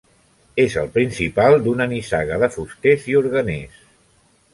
És el principal d'una nissaga de fusters i orgueners.